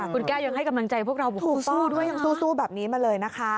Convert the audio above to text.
คุณแก้วยังให้กำลังใจพวกเราบอกคุณสู้ด้วยยังสู้แบบนี้มาเลยนะคะ